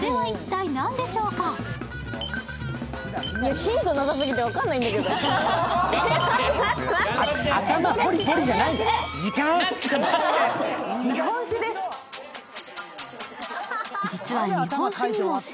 ヒント長すぎて分かんないんですけど。